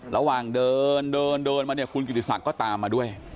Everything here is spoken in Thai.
ระหว่างเดินมาคุณกิติศักดิ์ก็ตามมาด้วย